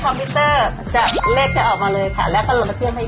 โอเคขั้นต่อไปคือ